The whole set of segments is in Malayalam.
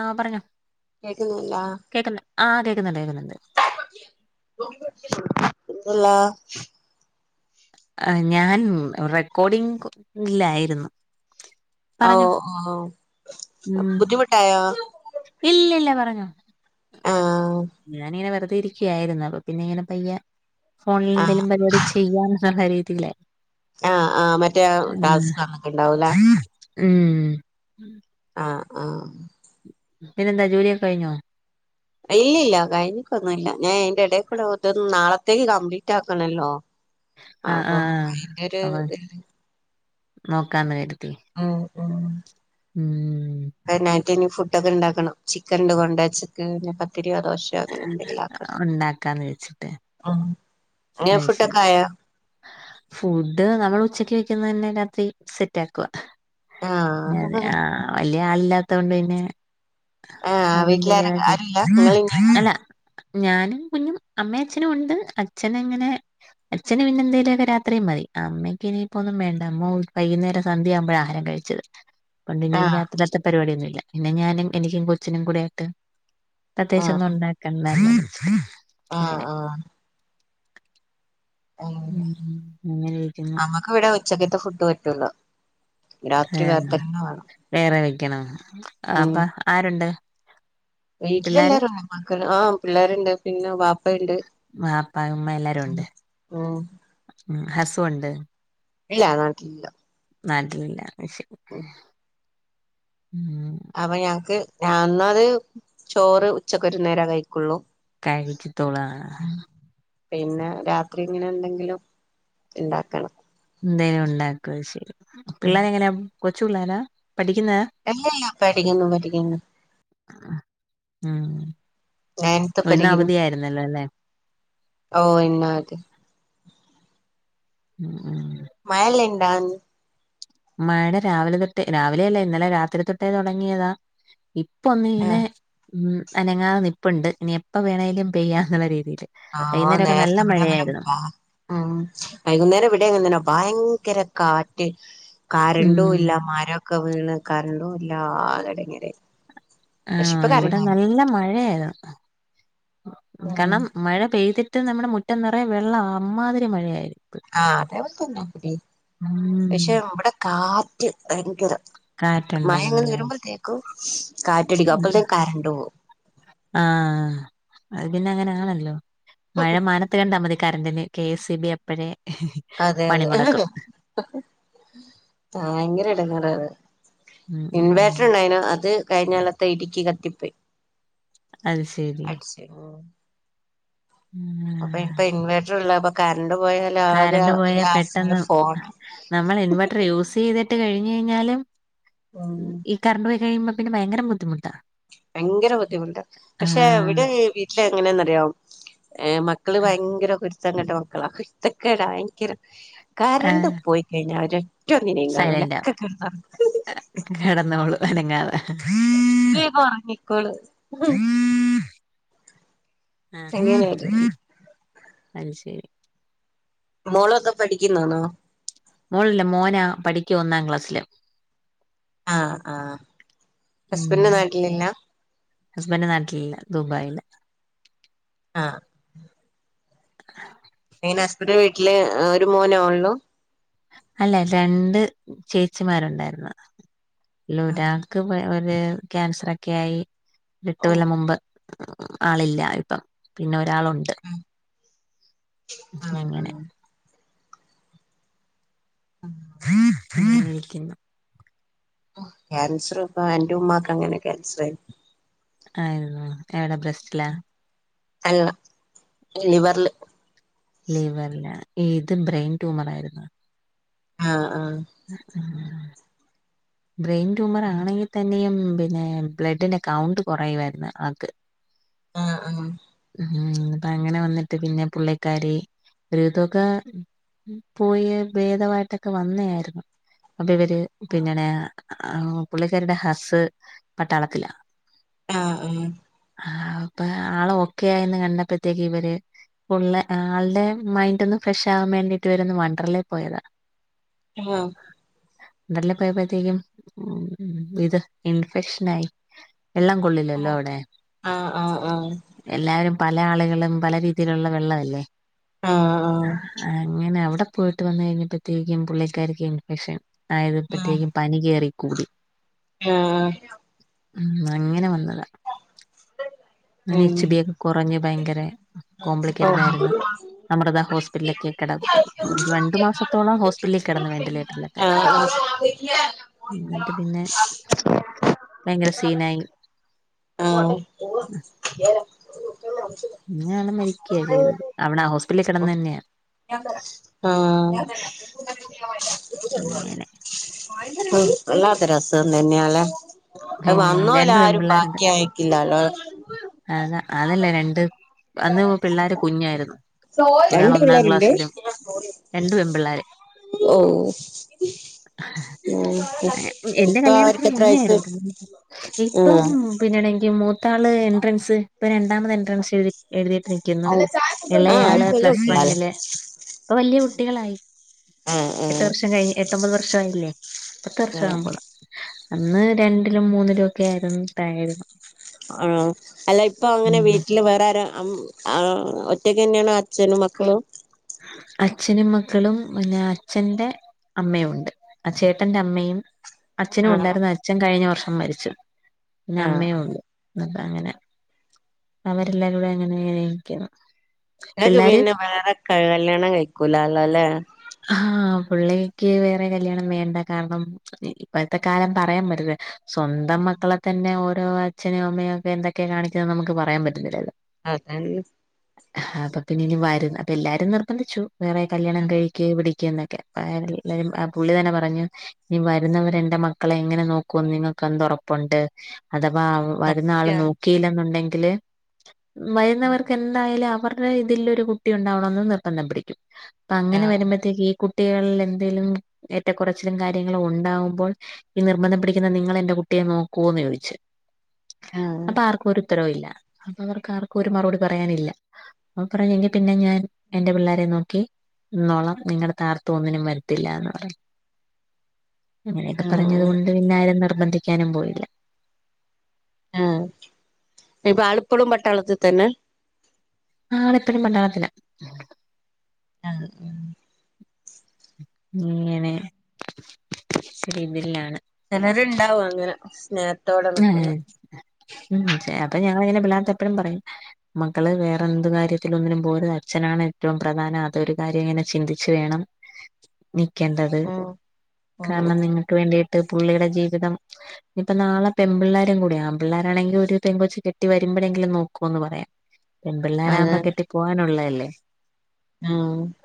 ആഹ് പറഞ്ഞോ കേക്കുന്നുല്ല കേൾക്ക്ന്ന്. ആഹ് കേക്ക്ന്ന്ണ്ട് കേക്ക്ന്ന്ണ്ട് എന്തുള്ളാ ആഹ് ഞാൻ റെക്കോർഡിങ് [unintelligible] ല്ലായിരുന്നു ഓഹ് ഓഹ് ബുദ്ധിമുട്ടായോ ഇല്ല്യല്ല പറഞ്ഞോ ആഹ് ഞാനിങ്ങനെ വെറ്തെ ഇരിക്കായിര്ന്ന്. അപ്പൊ പിന്നെങ്ങനെ പയ്യെ ആഹ് ഫോണിലെന്തേലും പരിപാടി ചെയ്യാന്ന് [unintelligible] ആഹ് ആഹ് മറ്റേ ടാസ്ക് തന്നിട്ട്ണ്ടാവൂലെ ഉം ഉം ആഹ് ആഹ് പിന്നെന്താ ജോലിയൊക്കെ കഴിഞ്ഞോ ഇല്ല്യഇല്യ കഴിഞ്ഞിക്കൊന്നുല്ല. ഞാൻ അയിന്റെ എടക്കൂടെ ഒന്ന് നാളത്തേക്ക് കംപ്ലീറ്റ് ആക്കണല്ലോ. ആഹ് അപ്പൊ ആഹ് അയിന്റൊരു അപ്പൊ [unintelligible] നോക്കാന്ന് കെര്തി ഉം ഉം ഉം വെനായ്ട്ട് ഇനി ഫുഡൊക്കെ ഇണ്ടാക്കണം. ചിക്കൻണ്ട് കൊണ്ടേച്ചിക്ക് പത്തിര്യോ ദോശേ അങ്ങനെ എന്തെങ്കിലെ ' ആക്ക ആഹ് അഹ് ശെരി ഫുഡ് നമ്മള് ഉച്ചക്ക് വെക്കുന്നന്നെ രാത്രി സെറ്റ് ആക്ക്വ ആഹ് ല്യേ ആളില്ലാത്തോണ്ട് പിന്നെ അ ആഹ് [unintelligible] എന്തേലു വീട്ടിലാരൊക്കെ ആരുല്ല ഇങ്ങള് തന്നെയാണോ [unintelligible] അല്ല ഞാനും കുഞ്ഞും അമ്മേ അച്ഛനും ഉണ്ട് അച്ഛനങ്ങനെ അച്ഛന് പിന്നെ എന്തേലൊക്കെ രാത്രി മതി. അമ്മയ്ക്ക് ഇനിയിപ്പൊന്നും വേണ്ട. മോൾ വൈകുന്നേര സന്ധ്യ ആവുമ്പഴ ആഹാരം കഴി ക്കെല് കൊണ്ട് ഇനി ആഹ് രാത്രികത്തെ പരിവാടി ഒന്നുല്ല. പിന്നെ ഞാനും എനിക്കും കൊച്ചിനുംകുടെ ആയിട്ട് ആഹ് പ്രത്യേകിച്ചൊന്നും ഉണ്ടാക്കണ്ടല്ലോ [inaudible] അങ്ങനെ ആഹ് ഉം ഉം [unintelligible] ഇവടെ ഉച്ചക്കത്തെ ഫുഡ് പറ്റൊള്ളു ഏഹ് വേറെ വെക്കണോ. അപ്പൊ ആരുണ്ട് വീട്ടില് പിള്ളേര് എല്ലാരും [unintelligible] ഉമിം മക്കളു ആഹ് പിള്ളേര്ണ്ട് പിന്നെ വാപ്പയ്ണ്ട് ഇപ്പ ഉമ്മ എല്ലാരും ഉണ്ട് ഉം ഉം ഹസും ഉണ്ട് ഇല്ല നാട്ടിലില്ല നാട്ടിലില്ല അഹ് ശെരി ഉം ഉം അപ്പൊ ഞങ്ങക്ക് ഒന്നാത് ചോറ് ഉച്ചക്ക് ഒരു നേര കഴിക്കൊള്ളൂ കയിവിച്ചിത്തോളാ പിന്നെ രാത്രിങ്ങനെ എന്തെങ്കിലും ഇണ്ടാക്കണം എന്തേലും ഉണ്ടാക്കും അയ്ശെരി. പിള്ളേരെ എങ്ങനെയാ കൊച്ചു പിള്ളേരാ പഠിക്കുന്നെ അല്ലല്ല പഠിക്ക്ന്ന് പഠിക്ക്ന്ന് അഹ് നയൻത്ത് ആഹ് ഇന്ന് പഠിക്കുന്നു അവധിയായിരുന്നല്ലോല്ലേ ഓ ഇന്നവധ്യ ഉം ഉം മയല്ലിണ്ടാ ആണ്ട് മഴടെ രാവിലെ തൊട്ടേ, രാവിലെയല്ല ഇന്നലെ രാത്രി തൊട്ടേ തൊടങ്ങിയതാ ഇപ്പൊന്ന് ആ ഇനെ അനെങ്ങാതെ നിപ്പുണ്ട് ഇനി എപ്പ വേണങ്കലും പെയ്യാന്നുള്ള രീതീല് ആവാം നേരത്ത് ബ്ടെ അങ്ങനെപ്പാ ഉം വൈകുന്നേരം ഇവിടെങ്ങൻന്തെന്നാ ഭയങ്കര കാറ്റ് ഉം കരണ്ടുല്ല മരൊക്കെ വീണ് കറണ്ടുല്ല ആകെ എടങ്ങാറായി ആഹ് ഇവിടെ നല്ല മഴയായിരുന്നു ഉം കാരണം മഴ പെയ്തിട്ട് നമ്മുടെ മുറ്റം നെറയെ വെള്ളവാ അമ്മാതിരി മഴയായി ആഹ് അതേപോലെ തന്നെ ഇവെടിം. ഉം പക്ഷെ ഇവടെ കാറ്റ് ഭയങ്കര മഴങ്ങനെ കാറ്റുണ്ടായിരുന്നല്ലേ വര്മ്പത്തേക്കും കാറ്റടിക്കും. അപ്പളത്തേക്ക് കരണ്ട് പോകും ആഹ് അത് പിന്നെ അങ്ങനെ ആണല്ലോ മഴ മാറ് ത്ത് കണ്ടാ മതി കറണ്ടിന് കെ എസ് സി ബി അപ്പഴേ അതെ പണി മുടക്കും അതെ. ഭയങ്കര എടങ്ങേറാ അത് ഉം ഉം ഉം ഇൻവേർട്ടർ ണ്ടായിനു അത് കഴിഞ്ഞൊലത്തെ ഇടിക്ക് കത്തിപ്പോയി അൽ ശേരി കെ [unintelligible] അപ്പൊ ആഹ് ഇപ്പ ഇൻവേട്രൂല്ല പ്പ കറണ്ട് പോയൽ ആകെ കറണ്ട് ഒരു പോയാ പെട്ടെന്ന് ആശ്രയം ഫോണാ നമ്മൾ ഇൻവെർട്ടർ യൂസ് ചെയ്തിട്ട് കഴിഞ്ഞഴ്‌ഞ്ഞാലും ഉം ഇ കരണ്ട് പോയി കഴിയുമ്പൊ പ്പിന്നെ ഭയങ്ക ബദ്ധിമുട്ടാ ഭയങ്കര ബുദ്ധിമുട്ടാ. പക്ഷെ ഇവിടെ വീട്ടില് എങ്ങനെയന്നറിയാവോ ഏഹ് മക്കള് ഭയങ്കര കുരുത്തംകെട്ട മക്കളാ. കുരുത്തക്കേടാ ഭയങ്കരം കറണ്ട് ആഹ് പോയി കഴിഞ്ഞ ഒരൊറ്റയൊന്നിനേം കാണില്ല ഒക്ക കെടന്നൊറങ്ങും കെടന്നോളും അനങ്ങാതെ വേഗൊ ഒറങ്ങിക്കോളും അങ്ങനെയൊരു ആഹ് അൽ ശെരി മോളൊക്കെ പഠിക്കുന്നാന്നോ മോളല്ല മോനാ പഠിക്കുഅ ഒന്നാം ക്ലാസ്സില് ആഹ് ആഹ് ഹസ്ബൻഡ്‌ ഉം നാട്ടിലില്ല ഹസ്ബൻഡ് നാട്ടിലില്ല ദുബായില ആഹ് [inaudible] എനെ ഹസ്ബൻഡ് വീട്ടില് ഒരു മോനേയോള്ളൂ അല്ല രണ്ട് ചേച്ചിമാരുണ്ടായിരുന്നു. ആഹ് അയിലൊരാക്ക് ത് ക്യാൻസറെക്കെയായി എട്ടു ഓഹ് കൊല്ലം മുൻപ് ആളില്ല ഇപ്പം പിന്നെ ഒരാളുണ്ട് ഉം ആഹ് അങ്ങനെ അഹ്‌ ആഹ് വിളിക്കുന്നു ക്യാൻസർ ഇപ്പ എന്റ ഉമ്മാക്ക് അങ്ങനെ ക്യാൻസർ ആയിരുന്നു ആയിരുന്നോ എവിടെ ബ്രസ്റ്റ്ലാ അല്ല എ ലിവർല് ലിവറിലാ ഏത് ബ്രെയിൻ ട്യൂമർ ആയിരുന്നോ ആഹ് ആഹ് അഹ്‌ ആഹ് ബ്രെയിൻ ട്യൂമർ ആണെങ്കിൽ തന്നെയും പിന്നെ ബ്ലഡിന് കൗണ്ട് കുറയുമായിരുന്നു ആൾക്ക് ആഹ് ആഹ് ഉം അപ്പ അങ്ങനെ വന്നിട്ട് പിന്നെ പുള്ളിക്കാരി ഒരുവിധോക്കെ പോയി ഭേദമായിട്ടൊക്കെ വന്നായിരുന്നു അപ്പൊ ഇവര് പിന്നണെ പുള്ളിക്കാരിടെ ഹസ്സ് പട്ടാളത്തിലാ ആഹ് ആഹ് ആഹ് അപ്പൊ ആള് ഒക്കെ ആയിന്ന് കണ്ടപ്പോത്തേക്ക് ഇവര് ഫുള്ളെ ആൾടെ മൈന്റ് ഒന്ന് ഫ്രഷാവാൻ വേണ്ടിട്ട് ഇവരൊന്നു വണ്ടർലേ പോയതാ ആഹ് ഡർലേ പോയപ്പത്തേക്കും ഉം ഇത് ഇൻഫെക്ഷനായി വെള്ളം കൊള്ളില്ലല്ലോ ഔടെ ആഹ് ആഹ് ആഹ് ആഹ് ആഹ് എല്ലാരും പല ആള്കളും പല രീതിലുള്ള വെള്ളമല്ലേ അങ്ങനെ അവിടെ പോയിട്ട് വന്ന് കഴിഞ്ഞപ്പത്തേക്കും പുള്ളിക്കാരിക്ക് ഇൻഫെക്ഷൻ അയ്ന്പ്പത്തേക്കും പനി കേറി കൂടി ആഹ് ആഹ് അങ്ങനെ വന്നതാ [inaudible] അങ്ങനെ എച്ച് ബി ഒക്കെ കോറഞ്ഞ് ഭയങ്കെരെ കോംപ്ലിക്കേറ്റഡ് ആയിരുന്നു അമൃത ഹോസ്പിറ്റലിലോക്കെ കെടന്നു രണ്ട് മാസത്തോളം ഹോസ്പിറ്റലിൽ കെടന്ന് വെന്റിലേറ്ററില് ആഹ് ആഹ് എന്നിട്ട് പിന്നെ ഭയങ്കര ശീനായി ആഹ് ഓ ന്നെ ആള് മരിക്കാ ചെയ്തത് അവിടെ ഹോസ്പിറ്റലിൽ വെ ആഹ് അങ്ങനെ വല്ലാത്തെരു അസുഖം തന്നെയാല്ലെ അഹ് പിന്നെ രണ്ട് വന്നോലാരും പെൺപിള്ളേരുണ്ട് ബാക്കി അയ്ക്കില്ലല്ലോ അത അതല്ലേ രണ്ട് അന്ന് പിള്ളാര് കുഞ്ഞായിരുന്നു ഒരാള് രണ്ട് ഒന്നാം പിള്ളേരുണ്ട് ക്ലാസ്സിലും രണ്ട് പെൺ പിള്ളാര് ഓഹ് ആഹ് എന്റെ ഇപ്പ കല്യാണത്തിന് അവർക്ക് എത്ര മുന്നേ വയസ്സ് ആഹ് പിന്നെ ആണെങ്കി മൂത്താള് എൻട്രൻസ് ഇപ്പ രണ്ടാമത് എൻട്രൻസ് എഴുതി എഴുതി ട്രിക്ക്ന്നു ആഹ് ഇളയാള് ഇപ്പൊ വല്യ പ്ലസ് കുട്ടികളാല്ലേ വണ്ണില് ഇപ്പോ വെല്ല്യാ കുട്ടികളായി ആഹ് ആഹ് എട്ട് വർഷം കഴിഞ് എട്ടൊമ്പത് വർഷായില്ലേ പത്ത് വർഷം ആഹ് ആവുമ്പള് അന്ന് രണ്ടിലും മൂന്നിലും ഒക്കെ ആയിരുന്നു [unintelligible] ആണോ അല്ല ഇപ്പൊ അങ്ങനെ ഉം വീട്ടില് വേറെ ആരാ അമ് ഒറ്റക്കെന്നെണോ? ച്ഛനും മക്കളും അച്ഛനും മക്കളും പിന്നെ അച്ഛന്റെ അമ്മയും ഉണ്ട് ആഹ് ചേട്ടന്റെ അമ്മയും അച്ഛനും ആഹ് ഉണ്ടായിരുന്നു അച്ഛൻ കഴിഞ്ഞ വർഷം മരിച്ചു പിന്നെ ആഹ് അമ്മയെ ഒള്ളു ഇന്നട്ട് അങ്ങനെ അവരെല്ലാരും കൂടെ അങ്ങനെ ഇരിക്കുന്നു. ങ്ങക്ക് പിള്ളേര് പിന്നെ വേറെ കല്യാണം കഴിക്കൂല്ലാലോലെ ആഹ് പുള്ളിക്ക് വേറെ കല്ല്യാണം വേണ്ട കാരണം ഇപ്പോഴത്തെ കാലം പറയാൻ പറ്റത്ല്ല സ്വന്തം മക്കളെ തന്നെ ഓരോ അച്ഛനും അമ്മയും ഒക്കെ എന്തൊ ക്കെ കാണിക്കുന്നത് നമുക്ക് പറയാൻ പറ്റത്തില്ലല്ലോ അതൻ [unintelligible] അപ്പൊ എല്ലാരും നിർബന്ധിച്ചു വേറെ കല്യാണം കഴി പിടിക് പിടിക്ക്ന്നൊക്കെ അ എല്ലരും പുള്ളി തന്നെ പറഞ്ഞു ഈ വരുന്നവര് എന്റെ മക്കളെ എങ്ങനെ നോക്കുന്ന് നിങ്ങൾക്ക് എന്ത്‌ ഒറപ്പുണ്ട് അഥവാ വരുന്ന ആള് സത്യാണ് നോക്കിയില്ലെന്നുണ്ടെങ്കില് വരുന്നവർക്ക് എന്തായാലും അവർ ഇതിലോരു കുട്ടി ഇണ്ടാവണംന്ന് നിർമ്പന്ധം പിടിക്കും അങ്ങനെ വരു ആഹ് ഈ കുട്ടികളിൽ എന്തെലും ഏറ്റക്കുറച്ചിലും കാര്യങ്ങളും ഉണ്ടാകുമ്പോൾ ഈ നിർബന്ധം പിടിക്കുന്ന നിങ്ങളെന്റെ കുട്ടിയെ നോക്കൊന്ന് ചോയ്ച്ച് ആഹ് അപ്പ ആർക്കും ഒരു ഉത്തരോല്ല അവർക്ക് ആർക്കും ഒരു മറുപടി പറയാനില്ല. അപ്പ പറയാ എങ്കി പിന്നെ ഞാൻ എന്റെ പിള്ളാരെ നോക്കി നിന്നോളാം [unintelligible] തരെട്ത്തും ഒന്നിനും വരത്തില്ലാന്ന് പറഞ്ഞു അങ്ങനെക്കെ പറഞ്ഞത് ആഹ് കൊണ്ട് പിന്നാരും നിർബന്ധിക്കാനും പോയില്ല ആ ഇപ്പാള്പ്പളും പട്ടാളത്ത്ത്തെന്നെ ആള്പ്പഴും പട്ടാളത്തില [unintelligible] ഇങ്ങനെ [inaudible] ചെലര്ണ്ടാവും അങ്ങനെ സ്നേ ഏ ഉം ചെ അപ്പൊ ഞങ്ങള്ങ്ങനെ പിള്ളാത്തപ്പെഴും പറയും മക്കള് വേറെന്ത് കാര്യത്തില് ഒന്നിനും പോവരുത് അച്ഛനാണ് ഏറ്റവും പ്രധാനം അതൊരു കാര്യം ങ്ങനെ ചിന്തിച്ചു വേണം [inaudible] നിക്കണ്ടത് ഉം ഉം കാരണം ഉം നിങ്ങ ക്ക്‌ വേണ്ടിട്ട് പുള്ളിടെ ജീവിതം ഇപ്പ നാളെ പെമ്പിള്ളേരും കൂടി ആമ്പിള്ളേരാണെങ്കി ഒരു പെങൊച്ച് കെട്ടി വരുമ്പഴെങ്കിലും നോക്കോന്ന് പറയാ പെമ്പിള്ളേരാകുമ്പോ അതാണ് കെട്ടി പോവാനുള്ളല്ലേ ആ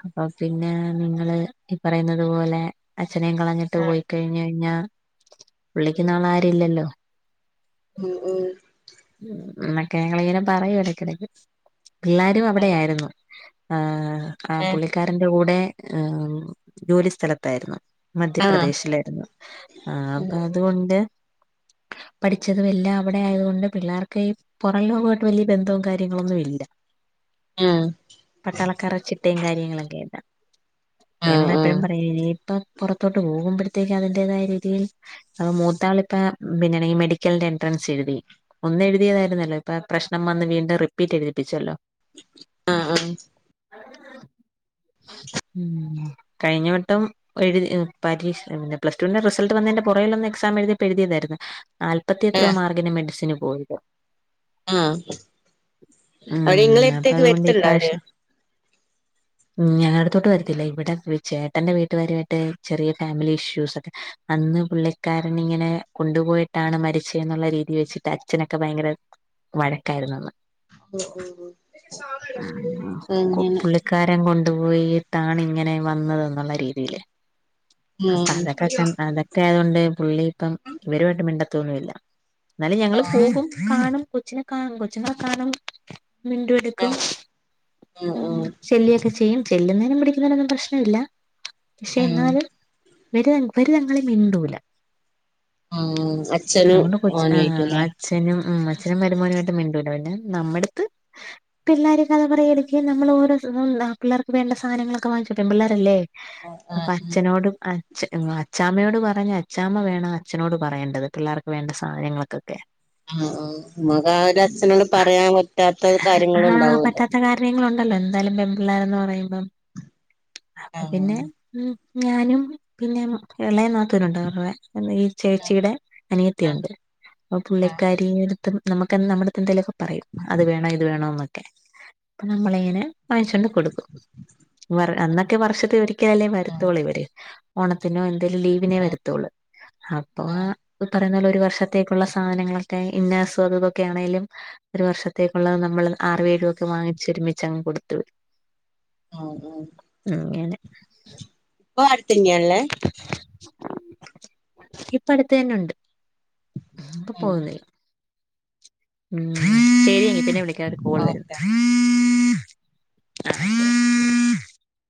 അപ്പൊ പിന്നെ നിങ്ങള് ഈ പറയുന്നത് പോലെ അച്ഛനേം കളഞ്ഞിട്ട് പോയി കഴിഞ്ഞ് കഴിഞ്ഞാ പുള്ളിക്ക് നാളാരുല്ലല്ലോ ഉം ഉം മറ്റേ ഞങ്ങളിങ്ങനെ പറയു എടക്കെടക്ക് പിള്ളേരും ആഹ് അവിടെയായിരുന്നു ആ ആ പുള്ളിക്കാരന്റെ കൂടെ ജോലി സ്ഥലത്തായിരുന്നു ആഹ് ആഹ് മധ്യപ്രദേശിലായിരുന്നു ആ അപ്പൊ അതോണ്ട് പഠിച്ചതുവെല്ലാ അവിടെ ആയതോണ്ട് പിള്ളേർക്ക് ഈ പൊറം ലോകായിട്ട് വല്യ ബന്ധവും കാര്യങ്ങളൊന്നുംല്ല ആഹ് പട്ടാളക്കാരെ ചിട്ടേ കാര്യങ്ങളൊക്കായിട്ട ത് ആഹ് ഞങ്ങെപ്പഴും പറയും ഇനിയിപ്പം പുറത്തോട്ട് പോകുമ്പോഴത്തേക്ക് അതിന്റേതായ രീതിയിൽ അപ്പൊ മൂത്താളിപ്പ പിന്നെ ണി മെഡിക്കലിന്റെ എൻട്രൻസ് എഴുതി ഒന്ന് എഴുതിയതായിരുന്നല്ലോ ഇപ്പാ പ്രശ്നം വന്ന് വീണ്ടും റിപ്പീറ്റ് എഴുതിപ്പിച്ചല്ലോ ആ ആ ഉം കഴിഞ്ഞ വട്ടം എഴുതി പരീക്ഷ പിന്നെ പ്ലസ്ടുന്റെ റിസൾട്ട് വന്നേന്റെ പൊറകിലൊന്ന് എക്സാം എഴ്തിയപ്പോ എഴുതിയതായിര്ന്ന് നാല്പത്തിയെത്രയോ ഏഹ് മാർഗിന് മെഡിസിന് പോയിത് ആ അവര് ഉം അപ്പൊ ഇങ്ങളെടുത്തേക്ക് അതുകൊണ്ട് വെര്ത്ത്ണ്ടോ ഇപ്രാവശ്യം അവര് ഉം ഞങ്ങളടുത്തോട്ട് വരത്തില്ല ഇവിടെ ചേട്ടന്റെ വീട്ടുകാരുവായിട്ട് ചെറിയ ഫാമിലി ഇഷ്യൂസൊക്കെ ണ്ട് അന്ന് പുള്ളിക്കാരനങ്ങനെ കൊണ്ടുപോയിട്ടാണ് മരിച്ചെന്നുള്ള രീതി വെച്ചിട്ട് അച്ഛനൊക്കെ ഭയങ്കര വഴക്കായിരുന്നു അന്ന് ഉം ഉം അങ്ങനെ ക്കാരം കൊണ്ടു പോയിട്ടാണ്ങ്ങനെ വന്നതെന്നുള്ള രീതില് അപ്പൊ ആഹ് അതൊക്കെ കണ്ട് അതൊക്കെ ആയതോണ്ട് പുള്ളിപ്പം ഇവരുവായിട്ട് മിണ്ടത്തൊന്നുല്ല ന്നാലും ഞങ്ങള് ആഹ് പോകും കാണും കൊച്ചിനെ കാ കൊച്ച്ങ്ങളെ കാണും മിണ്ടു ണ്ട്ക്കും ആഹ് ചെല്ലിയൊക്കെ ചെയ്യും ചെല്ലുന്നേനും പിടിക്കുന്നേനൊന്നും പ്രശ്നല്ല പക്ഷെ ആഹ് ന്നാലും ഇവര് ഇവരര് തങ്ങളി മിണ്ടൂല ഉആ അച്ഛനും അതുകൊണ്ട് കൊച്ച് ആഹ് ഓനുആയ്റ്റ്ലെ അച്ഛനും ഉം അച്ഛനും മരുമോനായിട്ട് മിണ്ടൂല പിന്നെ നമ്മെട്ത്ത് പിള്ളേര് കഥ പറയ് എടക്ക്‌ നമ്മൾ ഓരോസം പിള്ളേർക്ക് വേണ്ട സാധനങ്ങളൊക്കെ വാങ്ങിച്ച് പെമ്പിള്ളാരല്ലേ ആഹ് അപ്പൊ ആഹ് അച്ഛനോടും അച്ഛാ അച്ചാമ്മയോട് പറഞ് അച്ചാമ്മ വേണം അച്ഛനോട് പറയേണ്ടത് പിള്ളേർക്ക് വേണ്ട സാധനങ്ങൾക്കൊക്കെ ആ ആ മതാ ഓലച്ഛനോട് പറയാൻ പറ്റാത്ത കാര്യങ്ങളും ണ്ടാവല്ലോ ത്ത കാര്യങ്ങളുണ്ടല്ലോ എന്തായാലും പെമ്പിള്ളേരെന്ന് പറയുമ്പം അപ്പൊ പിന്നെ ആഹ് ഉ ഞാനും പിന്നെ എളെ നാത്തൂനുണ്ട് [unintelligible] ചേച്ചിടെ അനിയത്തിയുണ്ട് അപ്പൊ ആഹ് പുള്ളിക്കാരിടെടു നമ്മക്ക് നമ്മടെ അടുത്ത് എന്തേലുമൊക്കെ പറയും അത് വേണോ ഇത് വേണോന്നൊക്കെ അപ്പൊ നമ്മളിങ്ങനെ വാങ്ങിച്ചൊണ്ട് കൊടുക്കും അന്നൊക്കെ വർ വർഷത്തിയൊരിക്ക് ട്ടിയാലേ ആഹ് വരുത്തൊള്ളൂ ഇവര് ഓണത്തിനോ എന്തേലും ലീവിനേ വരത്തോള്ളൂ അപ്പൊ ഈ പറയുന്ന പോലെ ഒരു വർഷത്തേക്കുള്ള സാധനങ്ങളൊക്കെ ഇന്നേസും അതു ഇതൊക്കെ ആണെലും ഒരു വർഷത്തേക്കുള്ളത് നമ്മള് ആറു ഏഴൊക്കെ വാങ്ങിച്ച് ഒരുമിച്ചങ്ങ് കൊടുത്തു വിടും ഉം ഉം അങ്ങനെ ഇപ്പൊ ആടെത്തെന്നെയാള്ളെ? ഇപ്പ അടുത്ത് തന്നെയുണ്ട് ഇപ്പൊ പോന്നില്ല ഉം ശെരി [inaudible] പിന്നെ വിളിക്കാ ഒരു കോള് വരുന്നു ഓക്കെ [unintelligible]